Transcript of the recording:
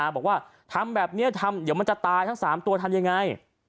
บอกว่าทำแบบนี้ทำเดี๋ยวมันจะตายทั้ง๓ตัวทำยังไง